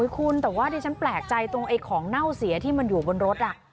คุณแต่ว่าดิฉันแปลกใจตรงไอ้ของเน่าเสียที่มันอยู่บนรถ